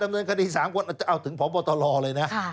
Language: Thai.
ดำเนินคดี๓คนเอาถึงพบตลเลยนะ